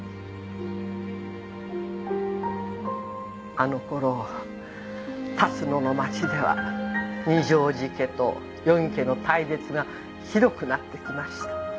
あのころ龍野の町では二条路家と余木家の対立がひどくなってきました。